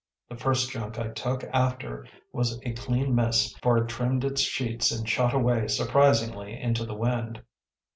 The first junk I took after was a clean miss, for it trimmed its sheets and shot away surprisingly into the wind.